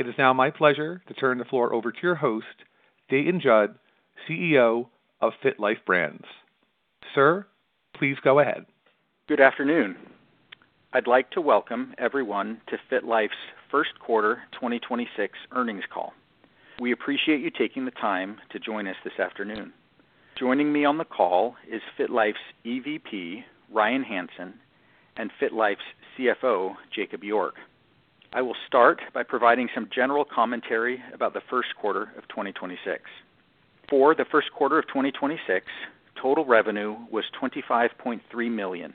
It is now my pleasure to turn the floor over to your host, Dayton Judd, CEO of FitLife Brands. Sir, please go ahead. Good afternoon. I'd like to welcome everyone to FitLife's first quarter 2026 earnings call. We appreciate you taking the time to join us this afternoon. Joining me on the call is FitLife's EVP, Ryan Hansen, and FitLife's CFO, Jakob York. I will start by providing some general commentary about the first quarter of 2026. For the first quarter of 2026, total revenue was $25.3 million,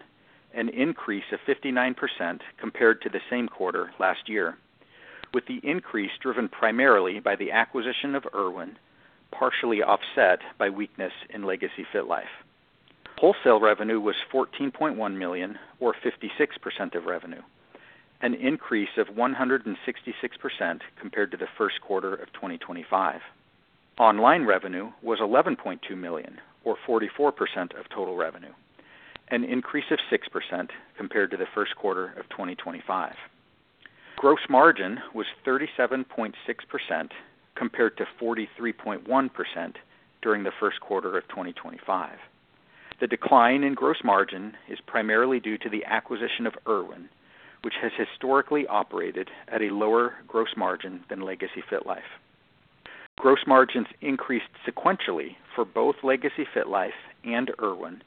an increase of 59% compared to the same quarter last year, with the increase driven primarily by the acquisition of Irwin, partially offset by weakness in Legacy FitLife. Wholesale revenue was $14.1 million or 56% of revenue, an increase of 166% compared to the first quarter of 2025. Online revenue was $11.2 million or 44% of total revenue, an increase of 6% compared to the first quarter of 2025. Gross margin was 37.6% compared to 43.1% during the first quarter of 2025. The decline in gross margin is primarily due to the acquisition of Irwin, which has historically operated at a lower gross margin than Legacy FitLife. Gross margins increased sequentially for both Legacy FitLife and Irwin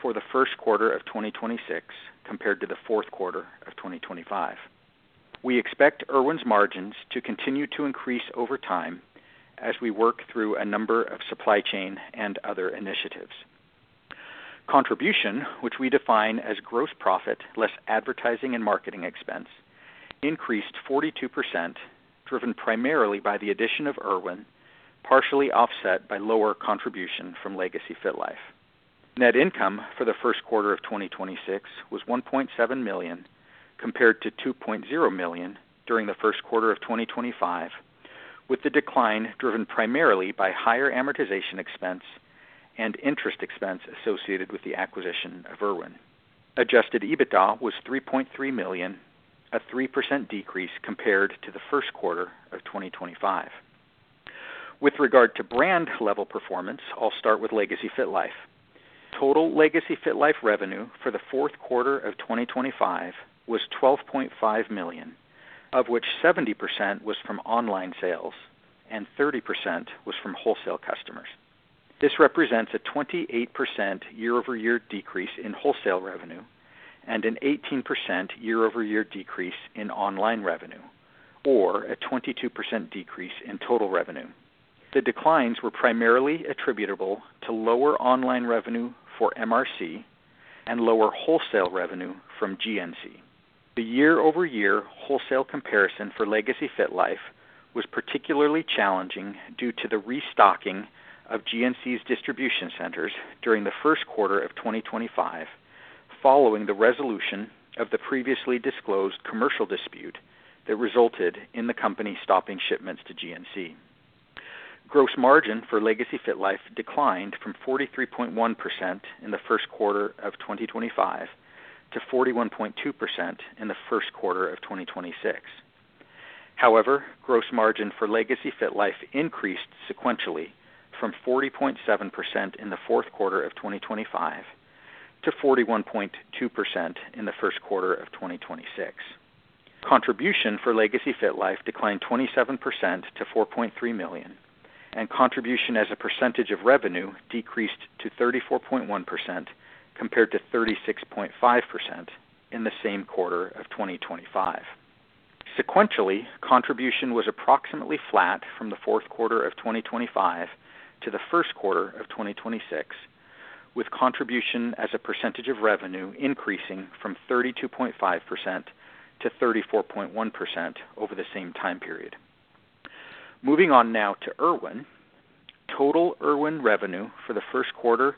for the first quarter of 2026 compared to the fourth quarter of 2025. We expect Irwin's margins to continue to increase over time as we work through a number of supply chain and other initiatives. Contribution, which we define as gross profit less advertising and marketing expense, increased 42%, driven primarily by the addition of Irwin, partially offset by lower contribution from Legacy FitLife. Net income for the first quarter of 2026 was $1.7 million, compared to $2.0 million during the first quarter of 2025, with the decline driven primarily by higher amortization expense and interest expense associated with the acquisition of Irwin. Adjusted EBITDA was $3.3 million, a 3% decrease compared to the first quarter of 2025. With regard to brand-level performance, I'll start with Legacy FitLife. Total Legacy FitLife revenue for the fourth quarter of 2025 was $12.5 million, of which 70% was from online sales and 30% was from wholesale customers. This represents a 28% year-over-year decrease in wholesale revenue and an 18% year-over-year decrease in online revenue, or a 22% decrease in total revenue. The declines were primarily attributable to lower online revenue for MRC and lower wholesale revenue from GNC. The year-over-year wholesale comparison for Legacy FitLife was particularly challenging due to the restocking of GNC's distribution centers during the first quarter of 2025 following the resolution of the previously disclosed commercial dispute that resulted in the company stopping shipments to GNC. Gross margin for Legacy FitLife declined from 43.1% in the first quarter of 2025 to 41.2% in the first quarter of 2026. Gross margin for Legacy FitLife increased sequentially from 40.7% in the fourth quarter of 2025 to 41.2% in the first quarter of 2026. Contribution for Legacy FitLife declined 27% to $4.3 million, and contribution as a percentage of revenue decreased to 34.1% compared to 36.5% in the same quarter of 2025. Sequentially, contribution was approximately flat from the fourth quarter of 2025 to the first quarter of 2026, with contribution as a percentage of revenue increasing from 32.5% to 34.1% over the same time period. Moving on now to Irwin. Total Irwin revenue for the first quarter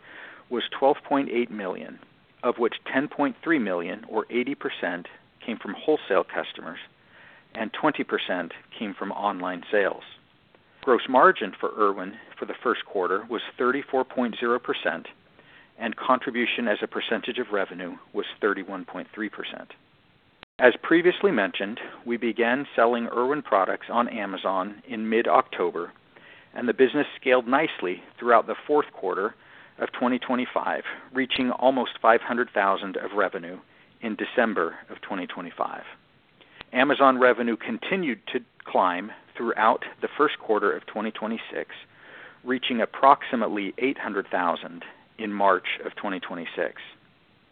was $12.8 million, of which $10.3 million or 80% came from wholesale customers and 20% came from online sales. Gross margin for Irwin for the first quarter was 34.0%, and contribution as a percentage of revenue was 31.3%. As previously mentioned, we began selling Irwin products on Amazon in mid-October, and the business scaled nicely throughout the fourth quarter of 2025, reaching almost $500,000 of revenue in December of 2025. Amazon revenue continued to climb throughout the first quarter of 2026, reaching approximately $800,000 in March of 2026.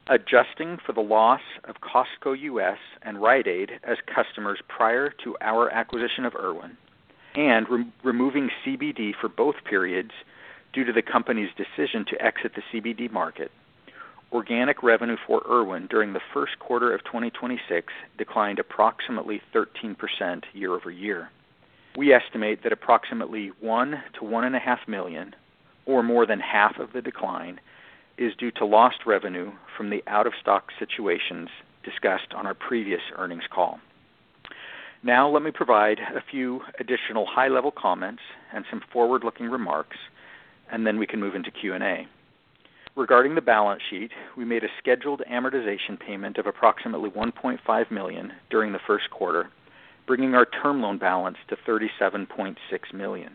Adjusting for the loss of Costco U.S. and Rite Aid as customers prior to our acquisition of Irwin and re-removing CBD for both periods due to the company's decision to exit the CBD market. Organic revenue for Irwin during the first quarter of 2026 declined approximately 13% year-over-year. We estimate that approximately $1 million to one and a half million, or more than half of the decline, is due to lost revenue from the out-of-stock situations discussed on our previous earnings call. Now let me provide a few additional high-level comments and some forward-looking remarks, and then we can move into Q&A. Regarding the balance sheet, we made a scheduled amortization payment of approximately $1.5 million during the first quarter, bringing our term loan balance to $37.6 million.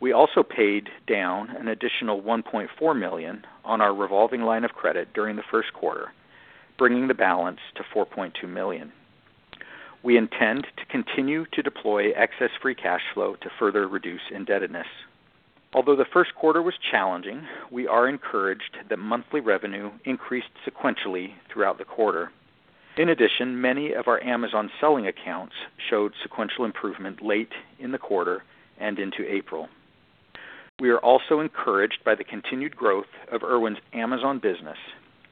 We also paid down an additional $1.4 million on our revolving line of credit during the first quarter, bringing the balance to $4.2 million. We intend to continue to deploy excess free cash flow to further reduce indebtedness. Although the first quarter was challenging, we are encouraged that monthly revenue increased sequentially throughout the quarter. In addition, many of our Amazon selling accounts showed sequential improvement late in the quarter and into April. We are also encouraged by the continued growth of Irwin's Amazon business,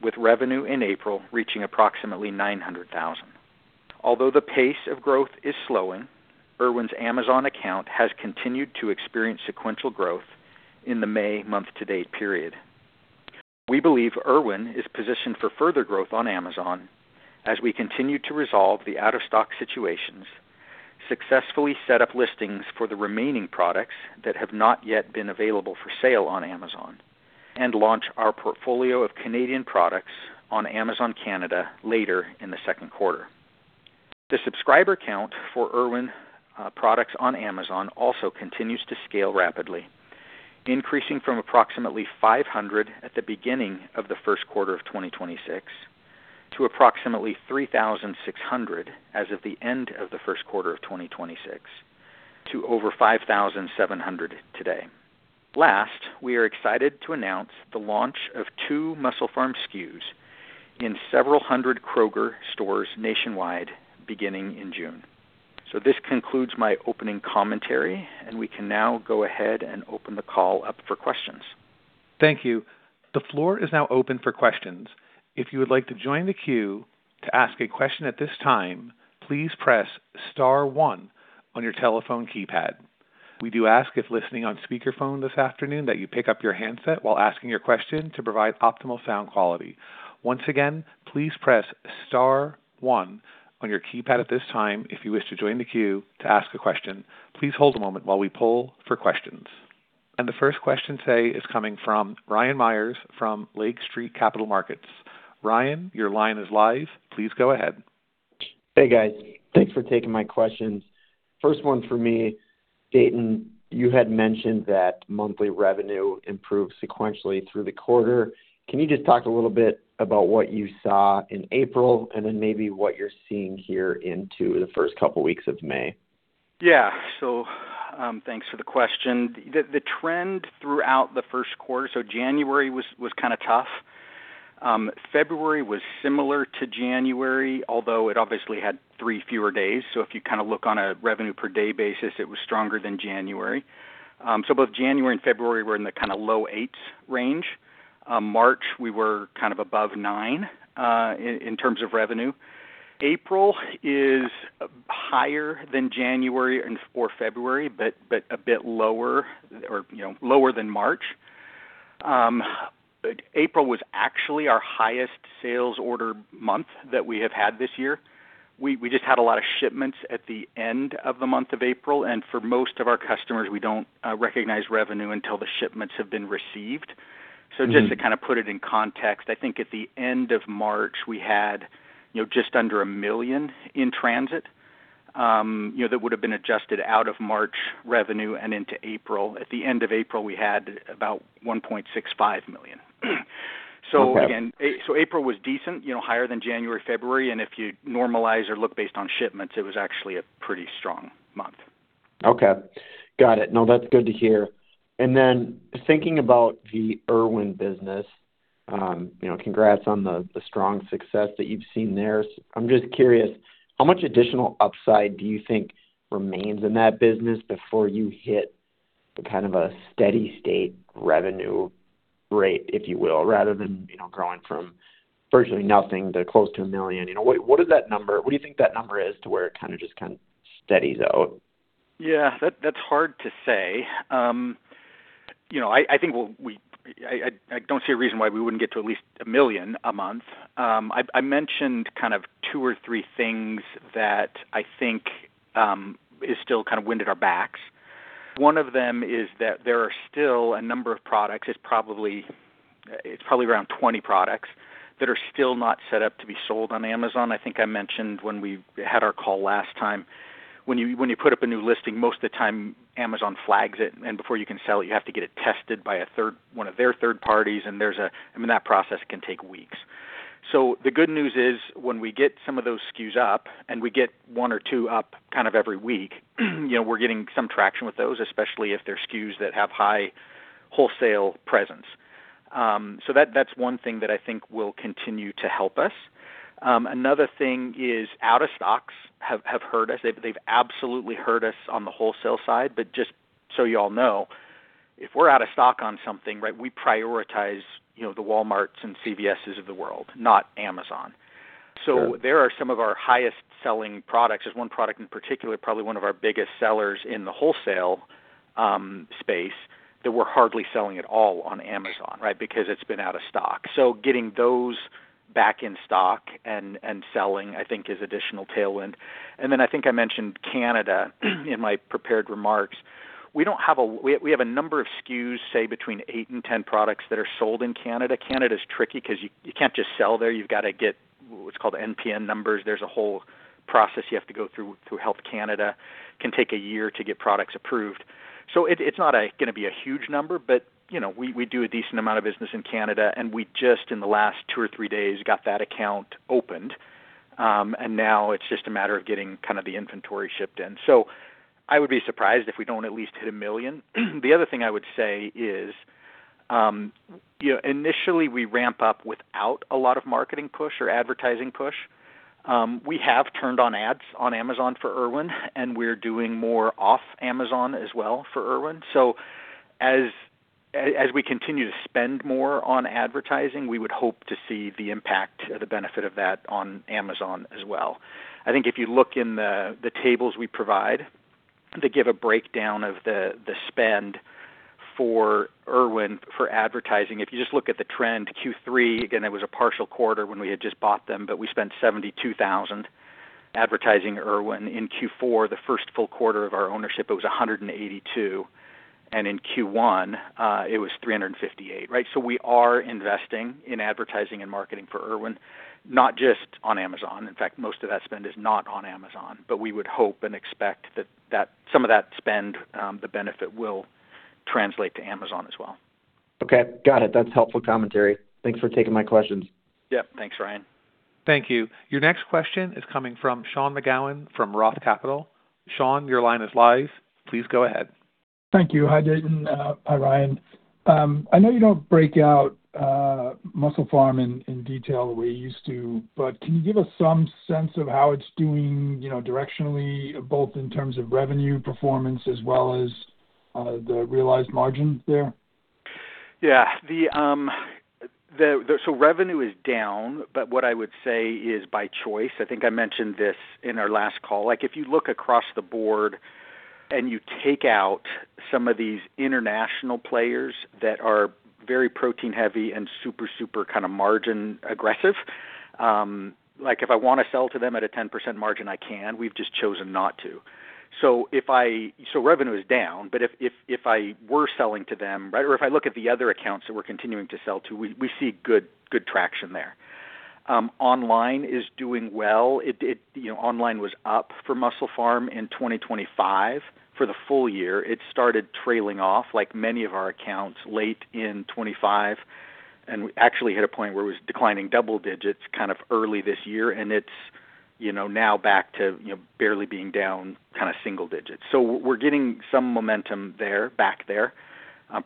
with revenue in April reaching approximately $900,000. Although the pace of growth is slowing, Irwin's Amazon account has continued to experience sequential growth in the May month-to-date period. We believe Irwin is positioned for further growth on Amazon as we continue to resolve the out-of-stock situations, successfully set up listings for the remaining products that have not yet been available for sale on Amazon, and launch our portfolio of Canadian products on Amazon Canada later in the second quarter. The subscriber count for Irwin products on Amazon also continues to scale rapidly, increasing from approximately 500 at the beginning of the first quarter of 2026 to approximately 3,600 as of the end of the first quarter of 2026 to over 5,700 today. Last, we are excited to announce the launch of two MusclePharm SKUs in several hundred Kroger stores nationwide beginning in June. This concludes my opening commentary, and we can now go ahead and open the call up for questions. Thank you. The floor is now open for questions. If you would like to join the queue to ask a question at this time, please press star one on your telephone keypad. We do ask if listening on speakerphone this afternoon that you pick up your handset while asking your question to provide optimal sound quality. Once again, please press star one on your keypad at this time if you wish to join the queue to ask a question. Please hold a moment while we poll for questions. The first question today is coming from Ryan Meyers from Lake Street Capital Markets. Ryan, your line is live. Please go ahead. Hey, guys. Thanks for taking my questions. First one for me, Dayton, you had mentioned that monthly revenue improved sequentially through the quarter. Can you just talk a little bit about what you saw in April and then maybe what you're seeing here into the first couple weeks of May? Thanks for the question. The trend throughout the first quarter, January was kind of tough. February was similar to January, although it obviously had three fewer days. If you kind of look on a revenue per day basis, it was stronger than January. Both January and February were in the kind of low 8%s range. March we were kind of above 9% in terms of revenue. April is higher than January or February, but a bit lower or, you know, lower than March. April was actually our highest sales order month that we have had this year. We just had a lot of shipments at the end of the month of April, for most of our customers, we don't recognize revenue until the shipments have been received. Just to kind of put it in context, I think at the end of March, we had, you know, just under $1 million in transit, you know, that would've been adjusted out of March revenue and into April. At the end of April, we had about $1.65 million. Okay. Again, April was decent, you know, higher than January, February, and if you normalize or look based on shipments, it was actually a pretty strong month. Okay. Got it. No, that's good to hear. Thinking about the Irwin business, you know, congrats on the strong success that you've seen there. I'm just curious, how much additional upside do you think remains in that business before you hit the kind of a steady state revenue rate, if you will, rather than, you know, growing from virtually nothing to close to $1 million? You know, what is that number? What do you think that number is to where it kinda steadies out? Yeah, that's hard to say. You know, I think I don't see a reason why we wouldn't get to at least $1 million a month. I mentioned kind of two or three things that I think is still kind of wind at our backs. One of them is that there are still a number of products, it's probably around 20 products that are still not set up to be sold on Amazon. I mentioned when we had our call last time, when you put up a new listing, most of the time Amazon flags it, before you can sell it, you have to get it tested by one of their third parties, I mean, that process can take weeks. The good news is when we get some of those SKUs up, and we get one or two up kind of every week, you know, we're getting some traction with those, especially if they're SKUs that have high wholesale presence. That's one thing that I think will continue to help us. Another thing is out of stocks have hurt us. They've absolutely hurt us on the wholesale side, but just so you all know, if we're out of stock on something, right, we prioritize, you know, the Walmarts and CVSs of the world, not Amazon. Sure. There are some of our highest selling products. There's one product in particular, probably one of our biggest sellers in the wholesale space that we're hardly selling at all on Amazon, right? Because it's been out of stock. Getting those back in stock and selling, I think is additional tailwind. I think I mentioned Canada in my prepared remarks. We have a number of SKUs, say between eight and 10 products that are sold in Canada. Canada's tricky 'cause you can't just sell there. You've got to get what's called NPN numbers. There's a whole process you have to go through Health Canada, can take a year to get products approved. It's not gonna be a huge number, but you know, we do a decent amount of business in Canada, and we just in the last two or three days, got that account opened. And now it's just a matter of getting kind of the inventory shipped in. I would be surprised if we don't at least hit $1 million. The other thing I would say is, you know, initially we ramp up without a lot of marketing push or advertising push. We have turned on ads on Amazon for Irwin, and we're doing more off Amazon as well for Irwin. As we continue to spend more on advertising, we would hope to see the impact, the benefit of that on Amazon as well. I think if you look in the tables we provide, they give a breakdown of the spend for Irwin for advertising. If you just look at the trend, Q3, again, that was a partial quarter when we had just bought them, but we spent $72,000 advertising Irwin. In Q4, the first full quarter of our ownership, it was $182, and in Q1, it was $358, right? We are investing in advertising and marketing for Irwin, not just on Amazon. In fact, most of that spend is not on Amazon, but we would hope and expect that some of that spend, the benefit will translate to Amazon as well. Okay. Got it. That's helpful commentary. Thanks for taking my questions. Yep. Thanks, Ryan. Thank you. Your next question is coming from Sean McGowan from Roth Capital. Sean, your line is live. Please go ahead. Thank you. Hi, Dayton. Hi, Ryan. I know you don't break out MusclePharm in detail the way you used to, but can you give us some sense of how it's doing, you know, directionally, both in terms of revenue performance as well as the realized margins there? Revenue is down, but what I would say is by choice. I think I mentioned this in our last call. Like, if you look across the board and you take out some of these international players that are very protein-heavy and super kind of margin aggressive, like if I want to sell to them at a 10% margin, I can. We've just chosen not to. Revenue is down, but if I were selling to them, right, or if I look at the other accounts that we're continuing to sell to, we see good traction there. Online is doing well. It, you know, online was up for MusclePharm in 2025 for the full year. It started trailing off like many of our accounts late in 2025. We actually hit a point where it was declining double digits kind of early this year, and it's, you know, now back to, you know, barely being down kind of single digits. We're getting some momentum there, back there,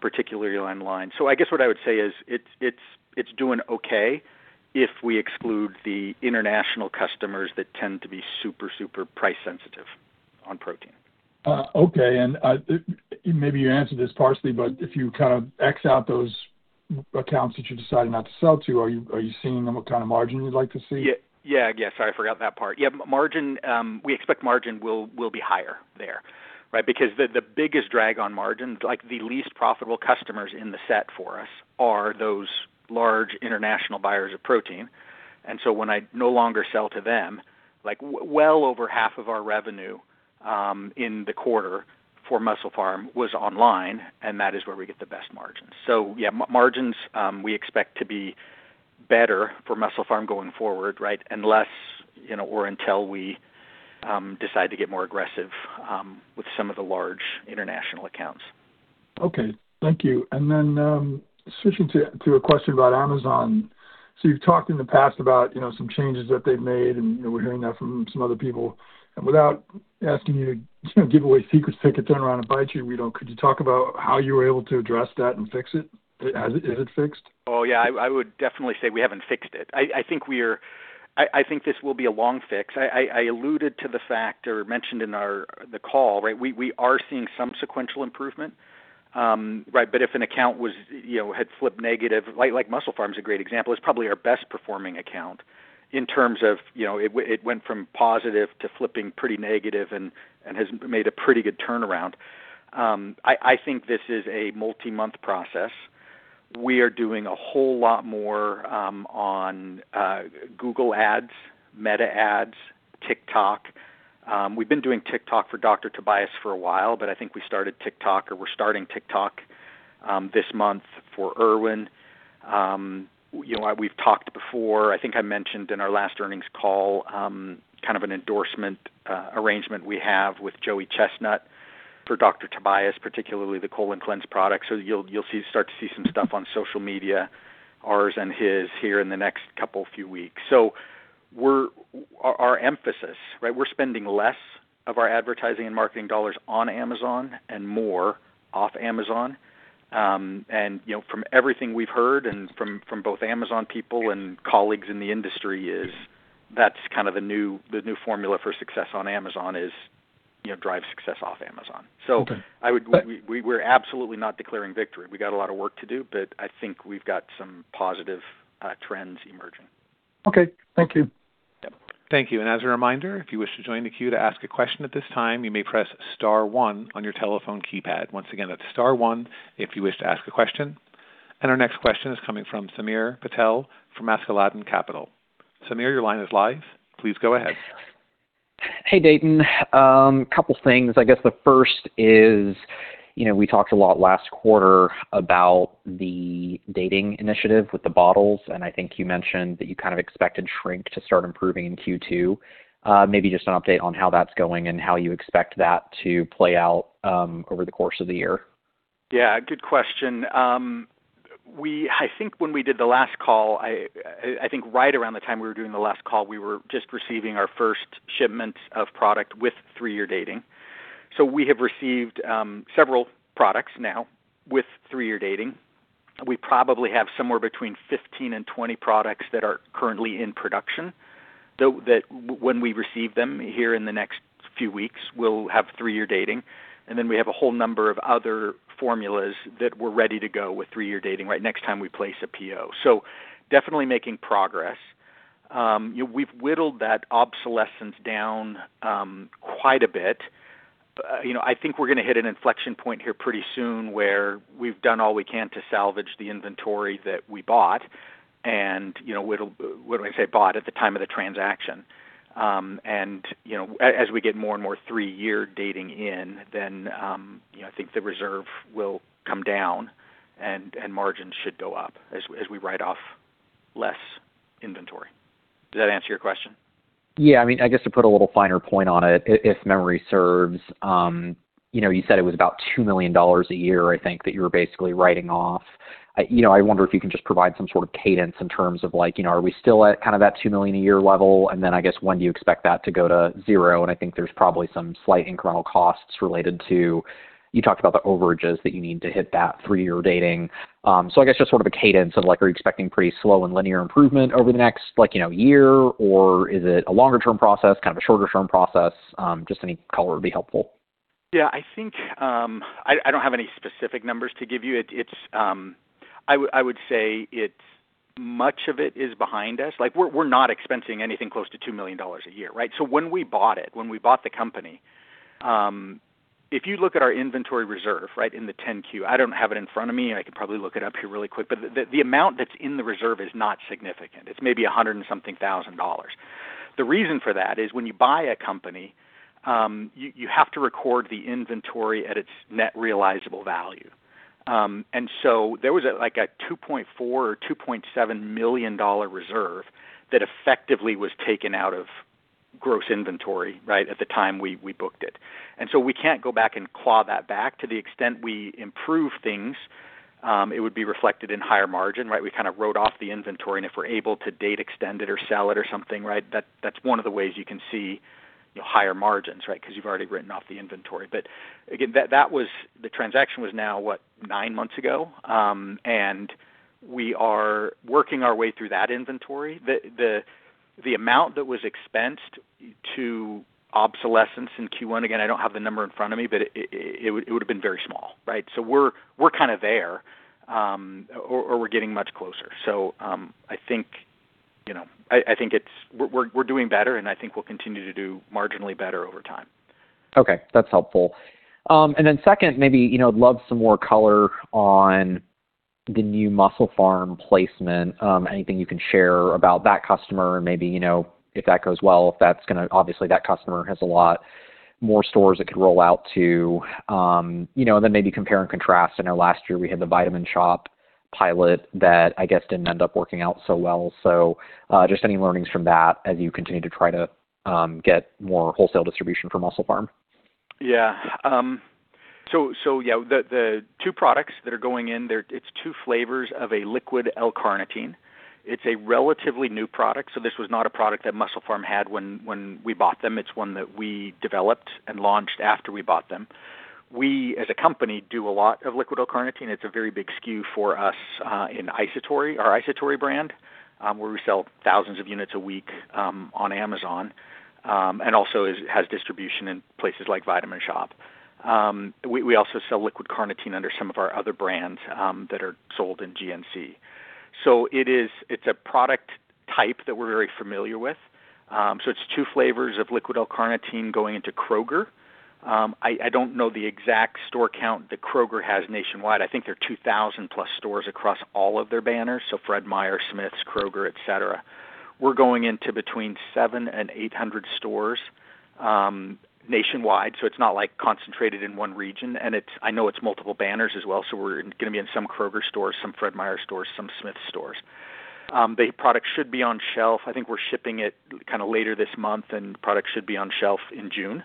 particularly online. I guess what I would say is it's, it's doing okay if we exclude the international customers that tend to be super price sensitive on protein. Okay. Maybe you answered this partially, but if you kind of X out those accounts that you decided not to sell to, are you seeing them what kind of margin you'd like to see? Yeah. Yeah. Sorry, I forgot that part. Margin, we expect margin will be higher there, right? Because the biggest drag on margins, like the least profitable customers in the set for us are those large international buyers of protein. When I no longer sell to them, like well over half of our revenue in the quarter for MusclePharm was online, and that is where we get the best margins. Margins, we expect to be better for MusclePharm going forward, right? Unless, you know, or until we decide to get more aggressive with some of the large international accounts. Okay. Thank you. Switching to a question about Amazon. You've talked in the past about, you know, some changes that they've made, and, you know, we're hearing that from some other people. Without asking you to, you know, give away secrets that could turn around and bite you, could you talk about how you were able to address that and fix it? Is it fixed? Oh, yeah. I would definitely say we haven't fixed it. I think this will be a long fix. I alluded to the fact or mentioned in our, the call, right? We are seeing some sequential improvement. Right. If an account was, you know, had flipped negative, like MusclePharm is a great example. It's probably our best performing account in terms of, you know, it went from positive to flipping pretty negative and has made a pretty good turnaround. I think this is a multi-month process. We are doing a whole lot more on Google Ads, Meta Ads, TikTok. We've been doing TikTok for Dr. Tobias for a while, but I think we started TikTok or we're starting TikTok this month for Irwin. You know, we've talked before, I think I mentioned in our last earnings call, kind of an endorsement arrangement we have with Joey Chestnut for Dr. Tobias, particularly the Colon Cleanse product. You'll start to see some stuff on social media, ours and his here in the next couple few weeks. Our emphasis, right? We're spending less of our advertising and marketing dollars on Amazon and more off Amazon. You know, from everything we've heard and from both Amazon people and colleagues in the industry is that's kind of a new, the new formula for success on Amazon is, you know, drive success off Amazon. Okay. We're absolutely not declaring victory. We got a lot of work to do, but I think we've got some positive trends emerging. Okay. Thank you. Yep. Thank you. As a reminder, if you wish to join the queue to ask a question at this time, you may press star one on your telephone keypad. Once again, that's star one if you wish to ask a question. Our next question is coming from Samir Patel from Askeladden Capital. Samir, your line is live. Please go ahead. Hey, Dayton. Couple things. I guess the first is, you know, we talked a lot last quarter about the dating initiative with the bottles, and I think you mentioned that you kind of expected shrink to start improving in Q2. Maybe just an update on how that's going and how you expect that to play out over the course of the year. Yeah, good question. I think when we did the last call, I think right around the time we were doing the last call, we were just receiving our first shipments of product with three-year dating. We have received several products now with three-year dating. We probably have somewhere between 15 and 20 products that are currently in production, though, that when we receive them here in the next few weeks, we'll have three-year dating. We have a whole number of other formulas that we're ready to go with three-year dating, right, next time we place a PO. Definitely making progress. We've whittled that obsolescence down quite a bit. You know, I think we're gonna hit an inflection point here pretty soon where we've done all we can to salvage the inventory that we bought and, you know, when I say bought, at the time of the transaction. You know, as we get more and more three-year dating in then, you know, I think the reserve will come down and margins should go up as we write off less inventory. Does that answer your question? Yeah. I mean, I guess to put a little finer point on it, if memory serves, you know, you said it was about $2 million a year, I think, that you were basically writing off. You know, I wonder if you can just provide some sort of cadence in terms of like, you know, are we still at kind of that $2 million a year level? Then I guess when do you expect that to go to zero? I think there's probably some slight incremental costs related to, you talked about the overages that you need to hit that three-year dating. I guess just sort of a cadence of like, are you expecting pretty slow and linear improvement over the next like, you know, year, or is it a longer term process, kind of a shorter term process? Just any color would be helpful. Yeah. I think, I don't have any specific numbers to give you. It's, I would say much of it is behind us. Like, we're not expensing anything close to $2 million a year, right? When we bought the company, if you look at our inventory reserve, right, in the 10Q, I don't have it in front of me, and I could probably look it up here really quick, but the amount that's in the reserve is not significant. It's maybe $100,000. The reason for that is when you buy a company, you have to record the inventory at its net realizable value. So there was a $2.4 million or $2.7 million reserve that effectively was taken out of gross inventory, right, at the time we booked it. We can't go back and claw that back. To the extent we improve things, it would be reflected in higher margin, right? We kind of wrote off the inventory, and if we're able to date extend it or sell it or something, right, that's one of the ways you can see, you know, higher margins, right? 'Cause you've already written off the inventory. Again, that was The transaction was now, what, nine months ago. We are working our way through that inventory. The amount that was expensed to obsolescence in Q1, again, I don't have the number in front of me, but it would've been very small, right? We're kind of there, or we're getting much closer. I think, you know, I think it's We're doing better, and I think we'll continue to do marginally better over time. Okay. That's helpful. Second, maybe, you know, I'd love some more color on the new MusclePharm placement. Anything you can share about that customer? Maybe, you know, if that goes well, obviously, that customer has a lot more stores it could roll out to. You know, maybe compare and contrast. I know last year we had The Vitamin Shoppe pilot that I guess didn't end up working out so well. Just any learnings from that as you continue to try to get more wholesale distribution for MusclePharm. The two products that are going in there, it's two flavors of a liquid L-carnitine. It's a relatively new product, so this was not a product that MusclePharm had when we bought them. It's one that we developed and launched after we bought them. We, as a company, do a lot of liquid L-carnitine. It's a very big SKU for us in iSatori, our iSatori brand, where we sell thousands of units a week on Amazon, and also has distribution in places like Vitamin Shoppe. We also sell liquid carnitine under some of our other brands that are sold in GNC. It's a product type that we're very familiar with. It's 2 flavors of liquid L-carnitine going into Kroger. I don't know the exact store count that Kroger has nationwide. I think they're 2,000+ stores across all of their banners, so Fred Meyer, Smith's, Kroger, et cetera. We're going into between 700-800 stores nationwide, so it's not, like, concentrated in one region. It's, I know it's multiple banners as well, so we're gonna be in some Kroger stores, some Fred Meyer stores, some Smith's stores. The product should be on shelf. I think we're shipping it kinda later this month, and product should be on shelf in June.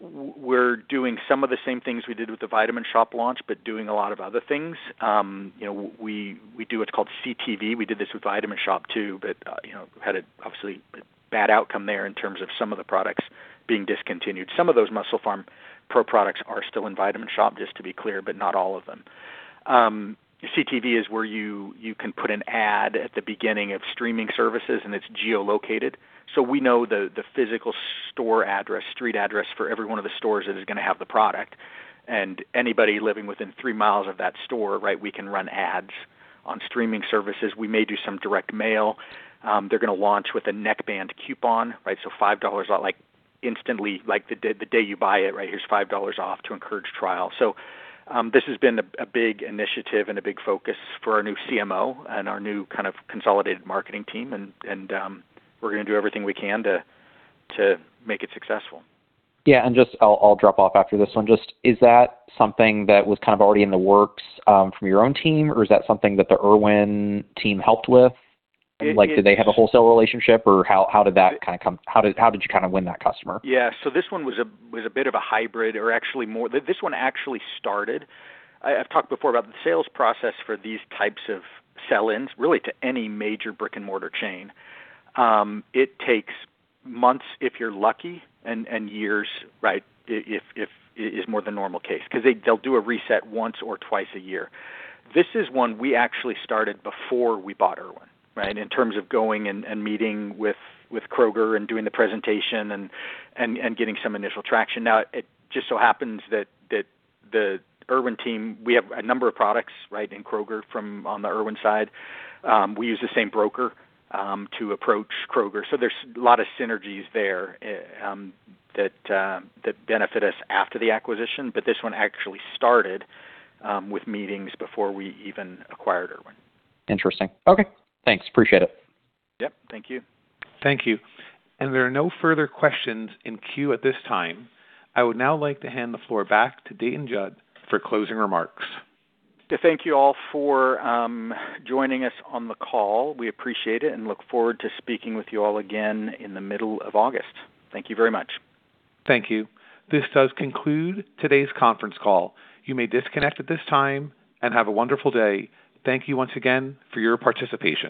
We're doing some of the same things we did with The Vitamin Shoppe launch, but doing a lot of other things. You know, we do what's called CTV. We did this with Vitamin Shoppe too, but, you know, had a obviously bad outcome there in terms of some of the products being discontinued. Some of those MusclePharm Pro products are still in Vitamin Shoppe, just to be clear, but not all of them. CTV is where you can put an ad at the beginning of streaming services, and it's geo-located, so we know the physical store address, street address for every one of the stores that is gonna have the product. Anybody living within three miles of that store, right, we can run ads on streaming services. We may do some direct mail. They're gonna launch with a neck band coupon, right? Five dollars, like instantly, like the day you buy it, right, here's $5 off to encourage trial. This has been a big initiative and a big focus for our new CMO and our new kind of consolidated marketing team and we're gonna do everything we can to make it successful. Yeah. Just I'll drop off after this one. Just is that something that was kind of already in the works from your own team, or is that something that the Irwin team helped with? Like, did they have a wholesale relationship, or how did you kind of win that customer? Yeah. This one was a bit of a hybrid or actually more this one actually started I've talked before about the sales process for these types of sell-ins really to any major brick-and-mortar chain. It takes months if you're lucky and years, right, if is more the normal case 'cause they'll do a reset once or twice a year. This is one we actually started before we bought Irwin, right, in terms of going and meeting with Kroger and doing the presentation and getting some initial traction. It just so happens that the Irwin team, we have a number of products, right, in Kroger from on the Irwin side. We use the same broker to approach Kroger, there's a lot of synergies there that benefit us after the acquisition. This one actually started, with meetings before we even acquired Irwin. Interesting. Okay, thanks. Appreciate it. Yep. Thank you. Thank you. There are no further questions in queue at this time. I would now like to hand the floor back to Dayton Judd for closing remarks. To thank you all for joining us on the call. We appreciate it and look forward to speaking with you all again in the middle of August. Thank you very much. Thank you. This does conclude today's conference call. You may disconnect at this time, and have a wonderful day. Thank you once again for your participation.